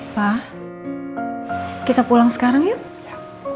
pak kita pulang sekarang ya